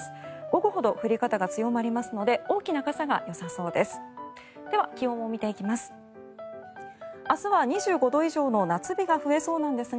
午後ほど降り方が強まりますので大きな傘がよさそうです。